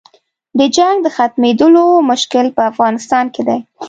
د جنګ د ختمېدلو مشکل په افغانستان کې دی.